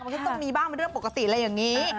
มันก็ต้องมีบ้างเป็นเรื่องปกติอะไรอย่างนี้